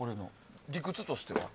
理屈としては。